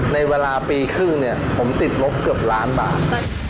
ในเวลาปีครึ่งเนี่ยผมติดงบเกือบล้านบาท